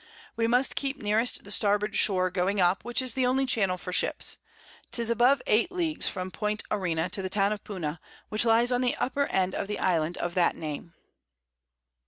We must keep nearest the Starboard Shore, going up, which is the only Channel for Ships; 'Tis above 8 Leagues from Point Arena to the Town of Puna; which lies on the upper End of the Island of that Name.